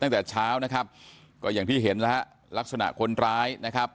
ตั้งแต่เช้านะครับก็อย่างที่เห็นแล้วฮะลักษณะคนร้ายนะครับ